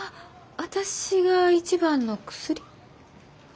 私が一番の薬？